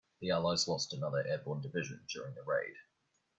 The allies lost another airborne division during the raid.